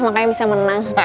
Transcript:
makanya bisa menang